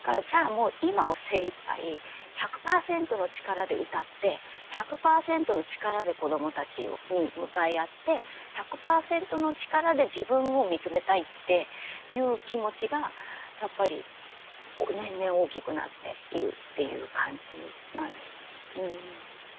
もう今を精いっぱい１００％の力で歌って１００％の力で子どもたちに向かい合って１００％の力で自分を見つめたいっていう気持ちがやっぱり年々大きくなっているという感じなんです。